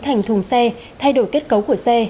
thành thùng xe thay đổi kết cấu của xe